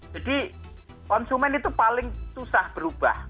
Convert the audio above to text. jadi konsumen itu paling susah berubah